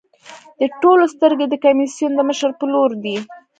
د ټولو سترګې د کمېسیون د مشر په لور دي.